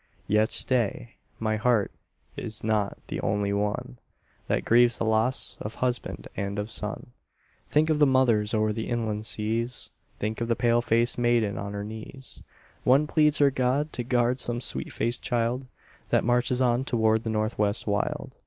Yet stay, my heart is not the only one That grieves the loss of husband and of son; Think of the mothers o'er the inland seas; Think of the pale faced maiden on her knees; One pleads her God to guard some sweet faced child That marches on toward the North West wild.